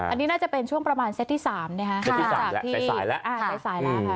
อันนี้น่าจะเป็นช่วงประมาณเซ็ตที่สามไปสายแล้ว